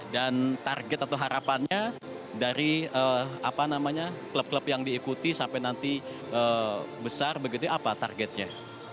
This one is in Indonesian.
dan target atau harapannya dari klub klub yang diikuti sampai nanti besar begitu apa targetnya